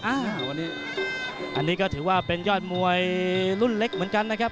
อันนี้อันนี้ก็ถือว่าเป็นยอดมวยรุ่นเล็กเหมือนกันนะครับ